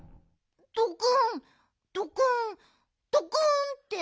ドクンドクンドクンって。